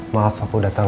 maaf aku datang